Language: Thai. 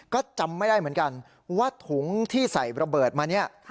ก็จำไม่ได้เหมือนกันว่าถุงที่ใส่ระเบิดมาเนี่ย